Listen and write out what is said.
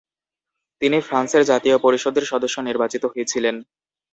তিনি ফ্রান্সের জাতীয় পরিষদের সদস্য নির্বাচিত হয়েছিলেন।